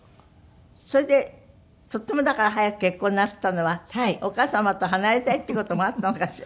それでとってもだから早く結婚なすったのはお母様と離れたいっていう事もあったのかしら？